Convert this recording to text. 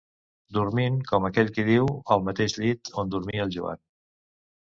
Dormint, com aquell qui diu, al mateix llit on dormia el Joan.